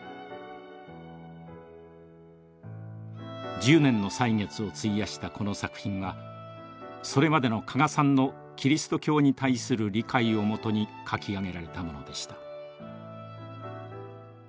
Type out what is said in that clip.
１０年の歳月を費やしたこの作品はそれまでの加賀さんのキリスト教に対する理解をもとに書き上げられたものでした。